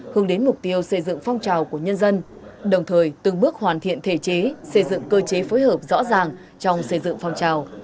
hướng đến mục tiêu xây dựng phong trào của nhân dân đồng thời từng bước hoàn thiện thể chế xây dựng cơ chế phối hợp rõ ràng trong xây dựng phong trào